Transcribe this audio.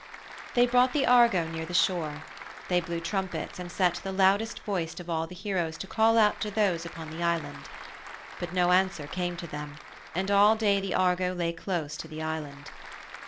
They brought the Argo near the shore. They blew trumpets and set the loudest voiced of the heroes to call out to those upon the island. But no answer came to them, and all day the Argo lay close to the island.